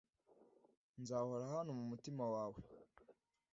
nzahora hano mumutima wawe.